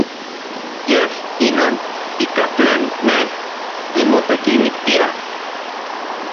Yej inon ika tlen nej nimotekimiktia.